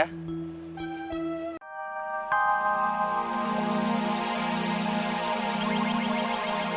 sampai jumpa lagi mas